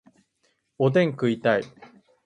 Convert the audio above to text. おでん食いたい